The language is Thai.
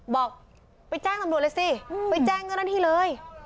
บอกไปแจ้งตำรวจเลยสิไปแจ้งเจ้าหน้าที่เลย